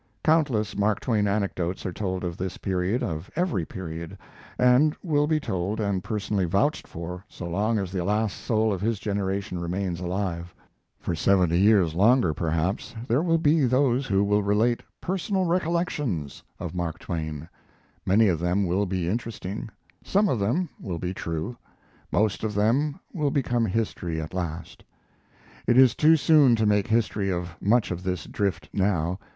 Countless Mark Twain anecdotes are told of this period, of every period, and will be told and personally vouched for so long as the last soul of his generation remains alive. For seventy years longer, perhaps, there will be those who will relate "personal recollections" of Mark Twain. Many of them will be interesting; some of them will be true; most of them will become history at last. It is too soon to make history of much of this drift now.